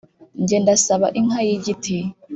jye ndasaba inka y' igiti